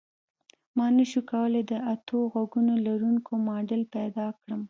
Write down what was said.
ما نشوای کولی د اتو غوږونو لرونکی ماډل پیدا کړم